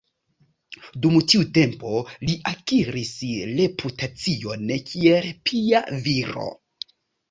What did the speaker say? Dum tiu tempo li akiris reputacion kiel pia viro.